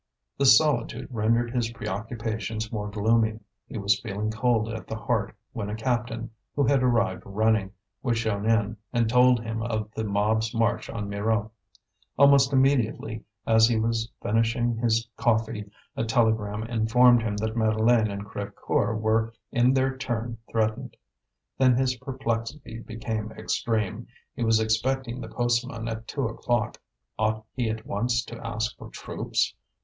This solitude rendered his preoccupations more gloomy; he was feeling cold at the heart when a captain, who had arrived running, was shown in, and told him of the mob's march on Mirou. Almost immediately, as he was finishing his coffee, a telegram informed him that Madeleine and Crévecoeur were in their turn threatened. Then his perplexity became extreme. He was expecting the postman at two o'clock; ought he at once to ask for troops?